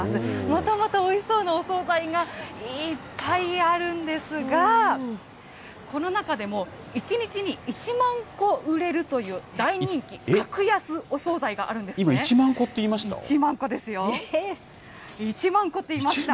またまたおいしそうなお総菜がいっぱいあるんですが、この中でも、１日に１万個売れるという大人気、今、１万個って言いました？